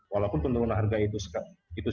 walaupun penurunan harga itu